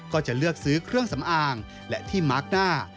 ก็จะเลือกซื้อเครื่องสำอางและที่มาร์คด้า